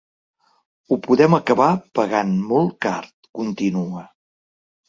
Ho podem acabar pagant molt car, continua.